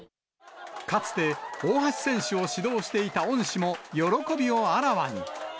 かつて、大橋選手を指導していた恩師も、喜びをあらわに。